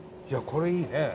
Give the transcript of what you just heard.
いやこれいいね。